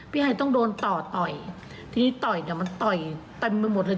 พี่ไฮต้องโดนต่อต่อยทีนี้ต่อยเดี๋ยวมันต่อยต่อยมาหมดแล้ว